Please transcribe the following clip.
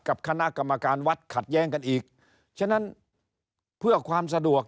กับคณะกรรมการวัดขัดแย้งกันอีกฉะนั้นเพื่อความสะดวก